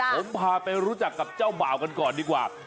ผมพาไปรู้จักกับเจ้าบ่าวกันก่อนดีกว่า